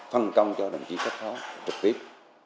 phân công cho đồng chí cấp phó trực tiếp